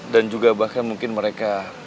dan juga bahkan mungkin mereka